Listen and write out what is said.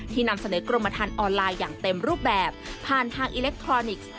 นำเสนอกรมฐานออนไลน์อย่างเต็มรูปแบบผ่านทางอิเล็กทรอนิกส์